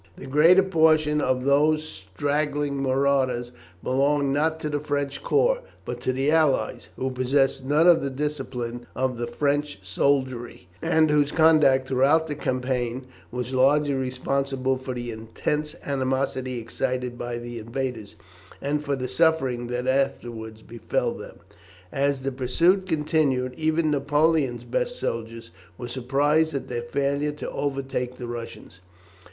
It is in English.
] The greater portion of these straggling marauders belonged not to the French corps, but to the allies, who possessed none of the discipline of the French soldiery, and whose conduct throughout the campaign was largely responsible for the intense animosity excited by the invaders, and for the suffering that afterwards befell them. As the pursuit continued even Napoleon's best soldiers were surprised at their failure to overtake the Russians.